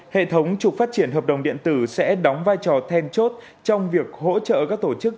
hệ thống trục phát triển hợp đồng điện tử sẽ đóng vai trò then chốt trong việc hỗ trợ các tổ chức